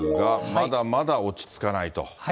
まだまだ落ち着かないと。